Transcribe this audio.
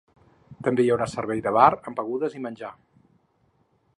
També hi haurà servei de bar amb begudes i menjar.